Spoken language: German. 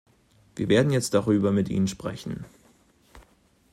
Wir werden jetzt darüber mit ihnen sprechen.